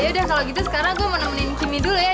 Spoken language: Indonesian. ya udah kalau gitu sekarang gue mau nemenin kimmy dulu ya